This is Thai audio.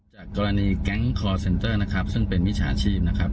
จากกรณีแก๊งคอร์เซ็นเตอร์นะครับซึ่งเป็นมิจฉาชีพนะครับ